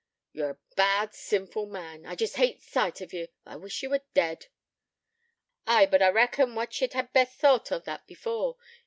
'Ye're a bad, sinful man. I jest hate t' sight o' ye. I wish ye were dead.' 'Ay, but I reckon what ye'd ha best thought o' that before.